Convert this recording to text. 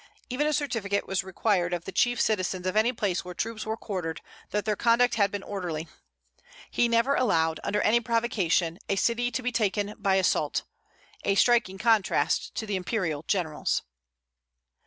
Even a certificate was required of the chief citizens of any place where troops were quartered, that their conduct had been orderly. He never allowed, under any provocation, a city to be taken by assault, a striking contrast to the imperial generals."